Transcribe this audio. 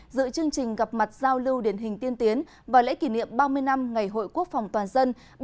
giữa chương trình gặp mặt giao lưu điển hình tiên tiến và lễ kỷ niệm ba mươi năm ngày hội quốc phòng toàn dân